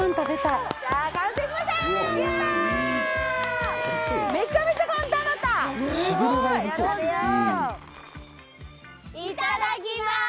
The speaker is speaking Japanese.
いただきます！